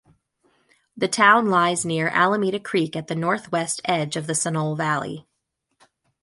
The town lies near Alameda Creek at the northwest edge of the Sunol Valley.